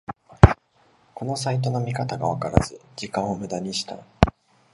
このサイトの見方がわからず時間をムダにした